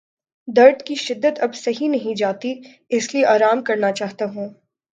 درد کی شدت اب سہی نہیں جاتی اس لیے آرام کرنا چاہتا ہوں۔